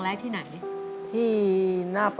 ถ้าไม่มีเขาสักคนนึงนี่แย่เลยเหมือนกันนะ